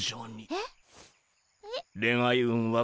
えっ？